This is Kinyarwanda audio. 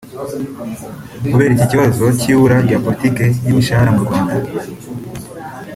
Kubera iki kibazo cy’ibura rya politiki y’imishara mu Rwanda